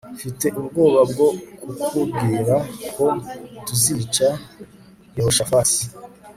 mfite ubwoba bwo kukubwira ko tuzica yehoshafati